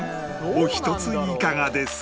お一ついかがですか？